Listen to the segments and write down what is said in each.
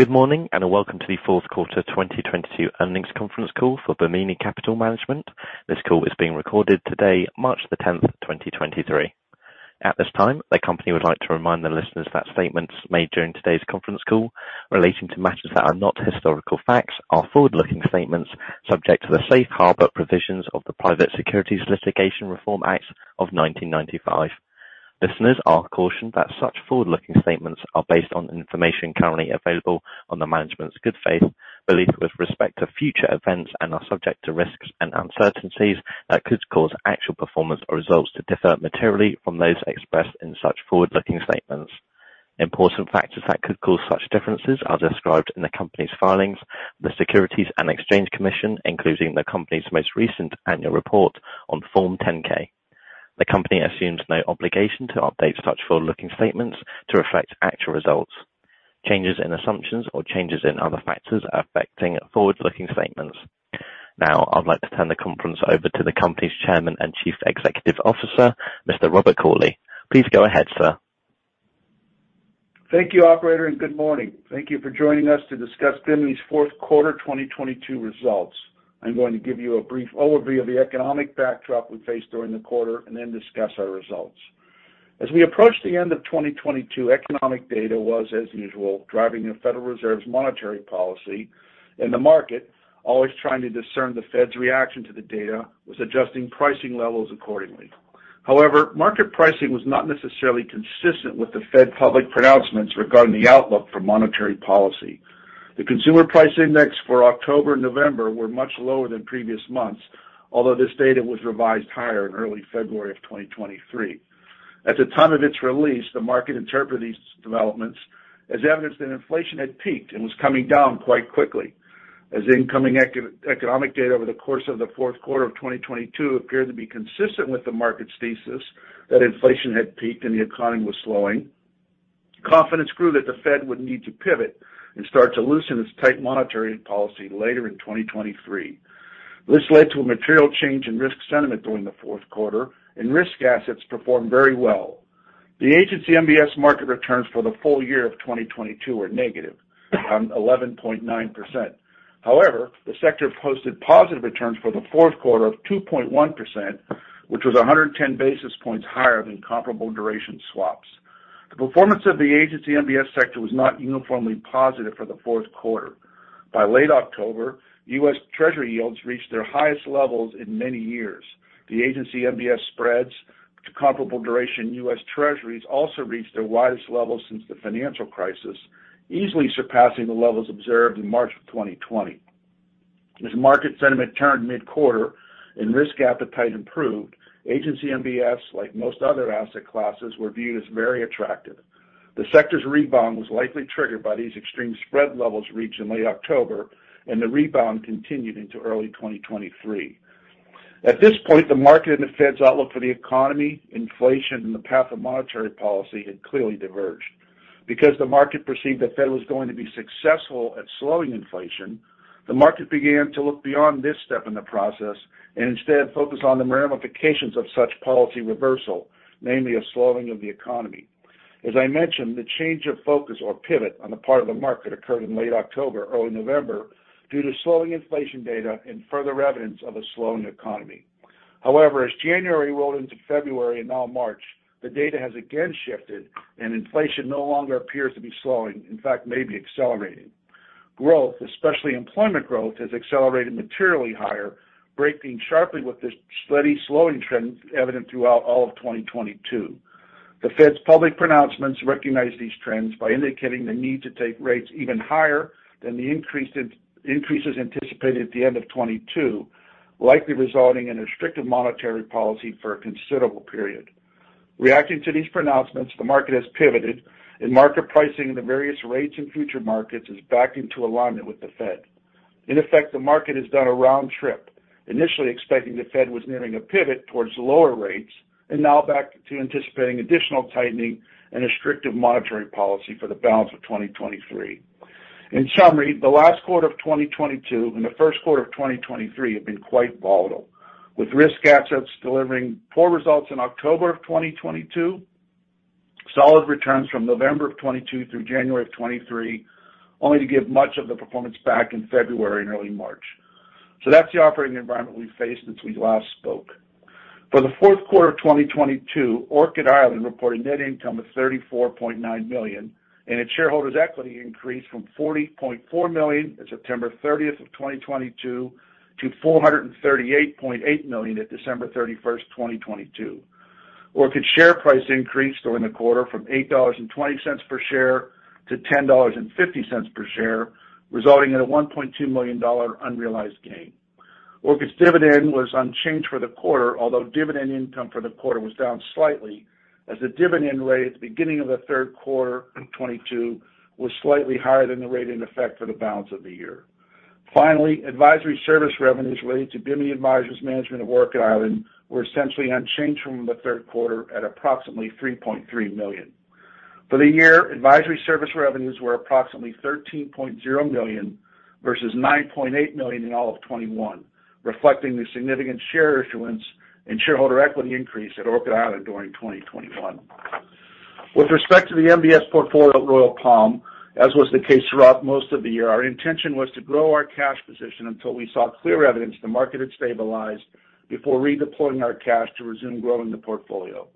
Good morning, and welcome to the 4th quarter 2022 earnings conference call for Bimini Capital Management. This call is being recorded today, March the 10th, 2023. At this time, the company would like to remind the listeners that statements made during today's conference call relating to matters that are not historical facts are forward-looking statements subject to the safe harbor provisions of the Private Securities Litigation Reform Act of 1995. Listeners are cautioned that such forward-looking statements are based on information currently available on the management's good faith, belief with respect to future events and are subject to risks and uncertainties that could cause actual performance or results to differ materially from those expressed in such forward-looking statements. Important factors that could cause such differences are described in the company's filings, the Securities and Exchange Commission, including the company's most recent annual report on Form 10-K. The company assumes no obligation to update such forward-looking statements to reflect actual results. Changes in assumptions or changes in other factors affecting forward-looking statements. I'd like to turn the conference over to the company's chairman and chief executive officer, Mr. Robert Cauley. Please go ahead, sir. Thank you, operator, and good morning. Thank you for joining us to discuss Bimini's fourth quarter 2022 results. I'm going to give you a brief overview of the economic backdrop we faced during the quarter then discuss our results. As we approach the end of 2022, economic data was, as usual, driving the Federal Reserve's monetary policy and the market, always trying to discern the Fed's reaction to the data, was adjusting pricing levels accordingly. However, market pricing was not necessarily consistent with the Fed public pronouncements regarding the outlook for monetary policy. The Consumer Price Index for October and November were much lower than previous months, although this data was revised higher in early February of 2023. At the time of its release, the market interpreted these developments as evidence that inflation had peaked and was coming down quite quickly. As incoming eco-economic data over the course of the fourth quarter of 2022 appeared to be consistent with the market's thesis that inflation had peaked and the economy was slowing, confidence grew that the Fed would need to pivot and start to loosen its tight monetary policy later in 2023. This led to a material change in risk sentiment during the fourth quarter, and risk assets performed very well. The agency MBS market returns for the full year of 2022 were negative, 11.9%. The sector posted positive returns for the fourth quarter of 2.1%, which was 110 basis points higher than comparable duration swaps. The performance of the agency MBS sector was not uniformly positive for the fourth quarter. By late October, US Treasury yields reached their highest levels in many years. The agency MBS spreads to comparable duration US Treasuries also reached their widest levels since the financial crisis, easily surpassing the levels observed in March of 2020. As market sentiment turned mid-quarter and risk appetite improved, agency MBS, like most other asset classes, were viewed as very attractive. The sector's rebound was likely triggered by these extreme spread levels reached in late October, and the rebound continued into early 2023. At this point, the market and the Fed's outlook for the economy, inflation, and the path of monetary policy had clearly diverged. Because the market perceived the Fed was going to be successful at slowing inflation, the market began to look beyond this step in the process and instead focus on the ramifications of such policy reversal, namely a slowing of the economy. As I mentioned, the change of focus or pivot on the part of the market occurred in late October, early November, due to slowing inflation data and further evidence of a slowing economy. As January rolled into February and now March, the data has again shifted, and inflation no longer appears to be slowing, in fact, may be accelerating. Growth, especially employment growth, has accelerated materially higher, breaking sharply with the steady slowing trend evident throughout all of 2022. The Fed's public pronouncements recognize these trends by indicating the need to take rates even higher than the increases anticipated at the end of 2022, likely resulting in a restrictive monetary policy for a considerable period. Reacting to these pronouncements, the market has pivoted, and market pricing in the various rates and future markets is back into alignment with the Fed. In effect, the market has done a round trip, initially expecting the Fed was nearing a pivot towards lower rates and now back to anticipating additional tightening and restrictive monetary policy for the balance of 2023. In summary, the last quarter of 2022 and the first quarter of 2023 have been quite volatile, with risk assets delivering poor results in October of 2022, solid returns from November of 2022 through January of 2023, only to give much of the performance back in February and early March. That's the operating environment we faced since we last spoke. For the fourth quarter of 2022, Orchid Island reported net income of $34.9 million, and its shareholders' equity increased from $40.4 million on September 30th of 2022 to $438.8 million at December 31st, 2022. Orchid's share price increased during the quarter from $8.20 per share to $10.50 per share, resulting in a $1.2 million unrealized gain. Orchid's dividend was unchanged for the quarter, although dividend income for the quarter was down slightly as the dividend rate at the beginning of the third quarter of 2022 was slightly higher than the rate in effect for the balance of the year. Advisory service revenues related to Bimini Advisors' management of Orchid Island were essentially unchanged from the third quarter at approximately $3.3 million. For the year, advisory service revenues were approximately $13.0 million versus $9.8 million in all of 2021, reflecting the significant share issuance and shareholder equity increase at Orchid Island during 2021. With respect to the MBS portfolio at Royal Palm, as was the case throughout most of the year, our intention was to grow our cash position until we saw clear evidence the market had stabilized before redeploying our cash to resume growing the portfolio.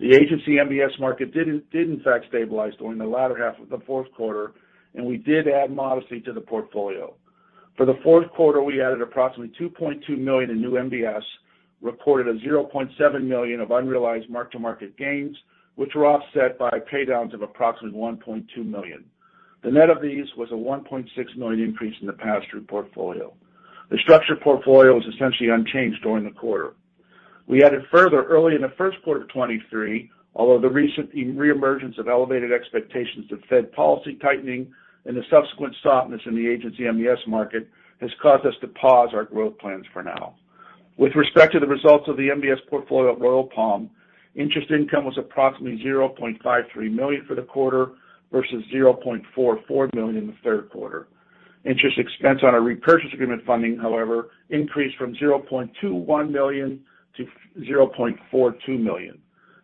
The agency MBS market did in fact stabilize during the latter half of the fourth quarter, and we did add modestly to the portfolio. For the fourth quarter, we added approximately $2.2 million in new MBS, reported a $0.7 million of unrealized mark-to-market gains, which were offset by paydowns of approximately $1.2 million. The net of these was a $1.6 million increase in the pass-through portfolio. The structured portfolio was essentially unchanged during the quarter. We added further early in the first quarter of 2023, although the recent reemergence of elevated expectations of Fed policy tightening and the subsequent softness in the agency MBS market has caused us to pause our growth plans for now. With respect to the results of the MBS portfolio at Royal Palm, interest income was approximately $0.53 million for the quarter versus $0.44 million in the third quarter. Interest expense on our repurchase agreement funding, however, increased from $0.21 million to $0.42 million.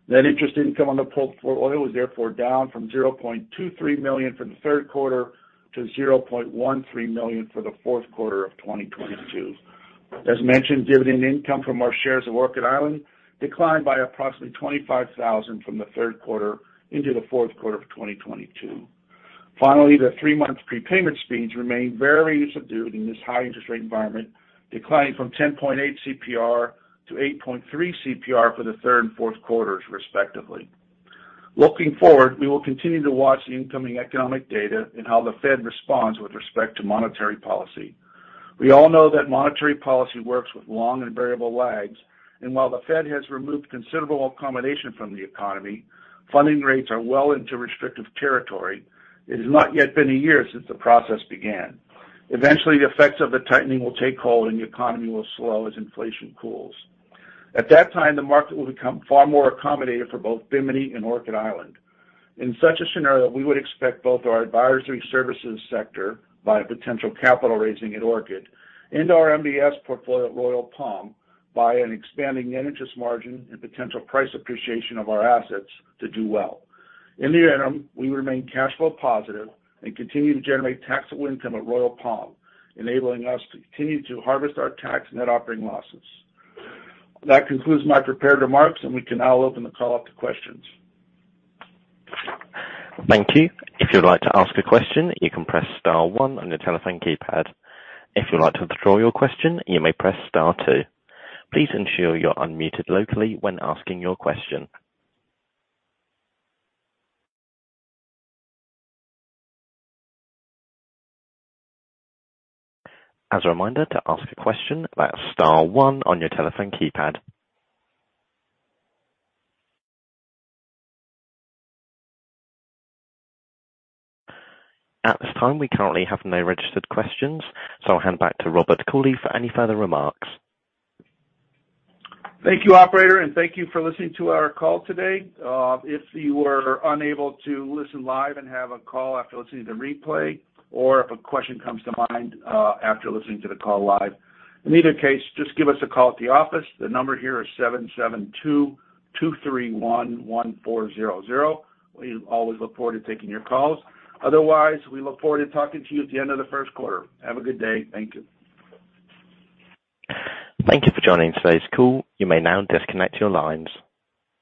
Net interest income on the portfolio was therefore down from $0.23 million for the third quarter to $0.13 million for the fourth quarter of 2022. As mentioned, dividend income from our shares of Orchid Island declined by approximately $25,000 from the third quarter into the fourth quarter of 2022. Finally, the three-month prepayment speeds remained very subdued in this high interest rate environment, declining from 10.8 CPR to 8.3 CPR for the third and fourth quarters respectively. Looking forward, we will continue to watch the incoming economic data and how the Fed responds with respect to monetary policy. We all know that monetary policy works with long and variable lags, and while the Fed has removed considerable accommodation from the economy, funding rates are well into restrictive territory. It has not yet been a year since the process began. Eventually, the effects of the tightening will take hold, and the economy will slow as inflation cools. At that time, the market will become far more accommodative for both Bimini and Orchid Island. In such a scenario, we would expect both our advisory services sector, via potential capital raising at Orchid, and our MBS portfolio at Royal Palm, via an expanding net interest margin and potential price appreciation of our assets, to do well. In the interim, we remain cash flow positive and continue to generate taxable income at Royal Palm, enabling us to continue to harvest our tax net operating losses. That concludes my prepared remarks. We can now open the call up to questions. Thank you. If you'd like to ask a question, you can press star one on your telephone keypad. If you'd like to withdraw your question, you may press star two. Please ensure you're unmuted locally when asking your question. As a reminder, to ask a question, that's star one on your telephone keypad. At this time, we currently have no registered questions, I'll hand back to Robert Cauley for any further remarks. Thank you, operator, and thank you for listening to our call today. If you were unable to listen live and have a call after listening to the replay, or if a question comes to mind, after listening to the call live, in either case, just give us a call at the office. The number here is 7722311400. We always look forward to taking your calls. Otherwise, we look forward to talking to you at the end of the first quarter. Have a good day. Thank you. Thank you for joining today's call. You may now disconnect your lines.